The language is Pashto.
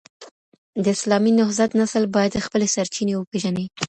د اسلامي نهضت نسل بايد خپلي سرچينې وپېژني.